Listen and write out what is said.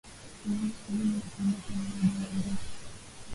pamoja Kubuni na kuendesha miradi ya uandishi